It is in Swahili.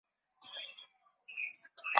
mgogoro uzuke jeshi limeonyesha msimamo mzuri